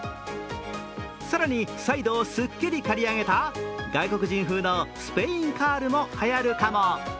更に、サイドをすっきり刈り上げた外国人風のスペインカールもはやるかも。